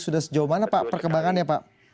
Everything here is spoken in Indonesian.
sudah sejauh mana pak perkembangannya pak